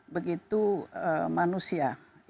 begitu manusia indonesia